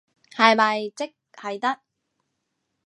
係咪即係得？